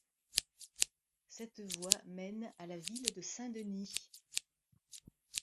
Cette voie mène à la ville de Saint-Denis.